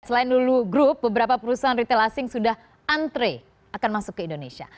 selain dulu grup beberapa perusahaan retail asing sudah antre akan masuk ke indonesia